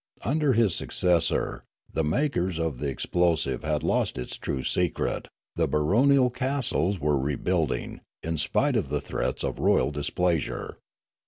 Under his successor, the makers of the explosive had lost its true secret ; and the baronial castles were rebuilding, in spite of the threats of royal displeasure.